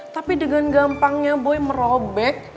tapi dengan gampangnya boy merobek